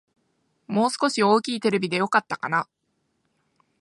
もう少し大きいテレビでよかったかな